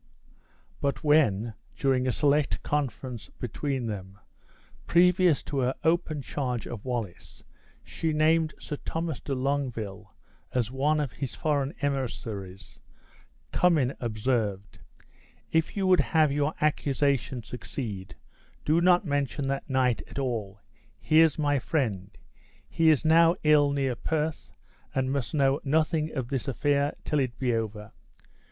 But when, during a select conference between them, previous to her open charge of Wallace, she named Sir Thomas de Longueville as one of his foreign emissaries, Cummin observed: "If you would have your accusation succeed, do not mention that knight at all. He is my friend. He is now ill near Perth, and must know nothing of this affair till it be over.